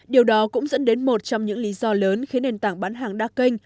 điều đó cũng dẫn đến một trong những lý do lớn khiến nền tảng bán hàng đa kênh